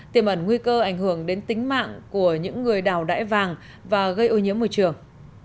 tiềm ẩn nguy cơ ảnh hưởng đến tính mạng của những người đào đải vàng và gây ô nhiễm môi trường